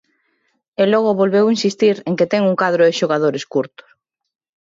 E logo volveu insistir en que ten un cadro de xogadores curto.